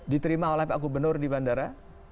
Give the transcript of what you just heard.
diterima oleh pak gubernur di bandara